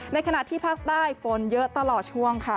ขณะที่ภาคใต้ฝนเยอะตลอดช่วงค่ะ